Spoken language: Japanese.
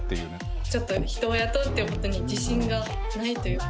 ちょっと人を雇うっていうことに自信がないという。